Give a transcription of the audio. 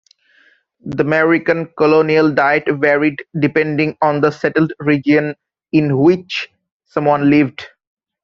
The American colonial diet varied depending on the settled region in which someone lived.